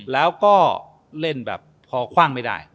แล้วก็เล่นแบบพอคว่างไม่ได้